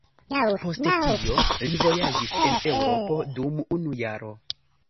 Post tio li vojaĝis en Eŭropo dum unu jaro.